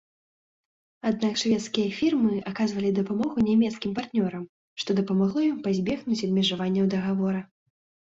Аднак шведскія фірмы аказвалі дапамогу нямецкім партнёрам, што дапамагло ім пазбегнуць абмежаванняў дагавора.